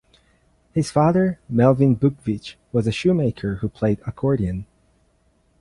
His father, Melvin Bookvich, was a shoemaker who played accordion.